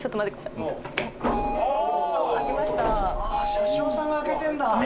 車掌さんが開けてんだ。